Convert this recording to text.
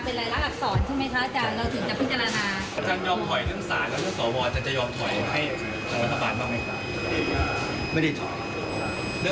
เพราะเยอะเลยแกเยอะเลย